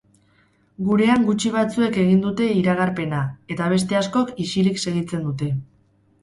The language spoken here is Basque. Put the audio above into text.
Gurean gutxi batzuek egin dute iragarpena eta beste askok ixilik segitzen dute.